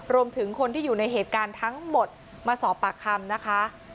รวมถึงคนที่อยู่ในเหตุการณ์ทั้งหมดมาสอบปากคำนะคะ